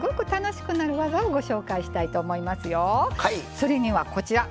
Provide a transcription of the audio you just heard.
それにはこちら！